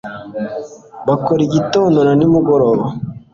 Bakora Igitondo na nimugoroba